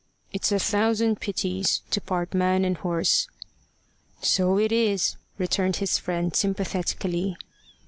It's a thousand pities to part man and horse." "So it is," returned his friend sympathetically.